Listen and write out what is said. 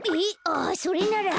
あっそれなら。